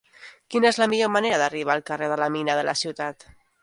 Quina és la millor manera d'arribar al carrer de la Mina de la Ciutat?